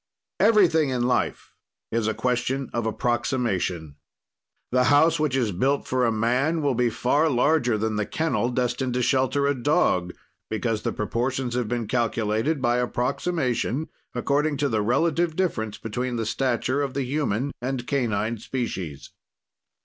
"Everything in life is a question of approximation. "The house which is built for a man will be far larger than the kennel, destined to shelter a dog, because the proportions have been calculated, by approximation, according to the relative difference between the stature of the human and canine species.